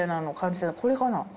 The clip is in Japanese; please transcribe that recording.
これかな？